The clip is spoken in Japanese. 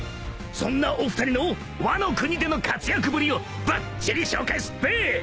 ［そんなお二人のワノ国での活躍ぶりをばっちり紹介すっぺ！］